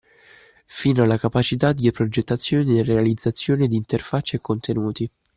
Fino alla capacità di progettazione e realizzazione di interfacce e contenuti.